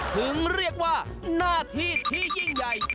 ถึงเรียกว่าหน้าที่ที่ยิ่งใหญ่